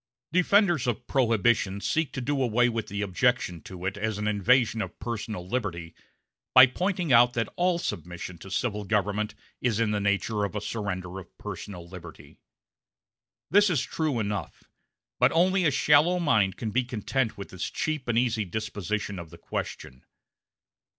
Defenders of Prohibition seek to do away with the objection to it as an invasion of personal liberty by pointing out that all submission to civil government is in the nature of a surrender of personal liberty. This is true enough, but only a shallow mind can be content with this cheap and easy disposition of the question.